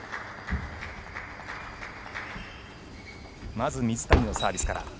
まず水谷のサービスから。